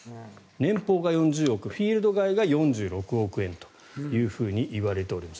年俸が４０億、フィールド外が４６億円といわれております。